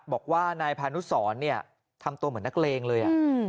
บอกว่านายพานุสรทำตัวเหมือนนักเลงเลย